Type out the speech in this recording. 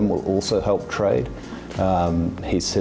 juga akan membantu perbelanjaan